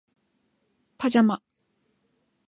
パジャマ